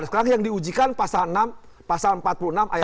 sekarang yang diujikan pasal enam pasal empat puluh enam ayat